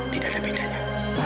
tidak ada bedanya